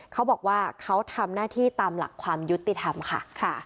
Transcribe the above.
เขาบอกว่าเขาทำหน้าที่ตามหลักความยุติธรรมค่ะ